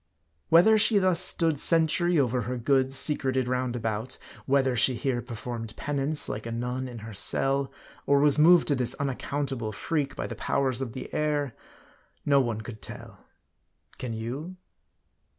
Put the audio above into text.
Whether she thus stood sentry over her goods secreted round about : whether she here performed penance like a 124 M A R D I. nun in her cell ; or was moved to this unaccountable freak by the powers of the air ; no one could tell. Can you